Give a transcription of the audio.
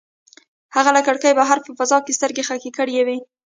هغه له کړکۍ بهر په فضا کې سترګې ښخې کړې وې.